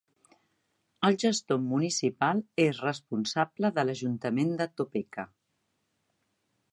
El gestor municipal és responsable de l"ajuntament de Topeka.